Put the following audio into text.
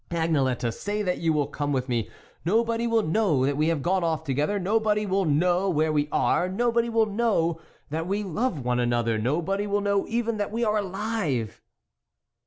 Agnelette, say that you will come with me ; nobody will know that we have gone off together, nobody will know where we are, nobody will know that we love one another, nobody will know even that we are alive."